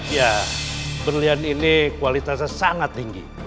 ya berlian ini kualitasnya sangat tinggi